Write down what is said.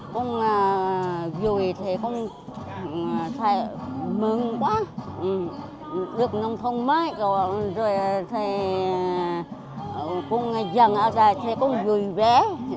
con vui con mừng quá được nông thôn mới con vui vẻ